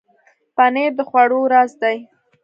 پنېر د خوړو راز دی.